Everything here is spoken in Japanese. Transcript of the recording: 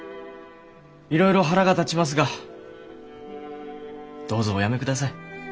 いろいろ腹が立ちますがどうぞお辞めください。